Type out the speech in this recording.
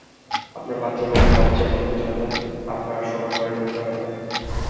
আপনার বাথরুমের নব চেপে ধরতে হলে আপনার শোবার ঘরে ঢুকতে হবে।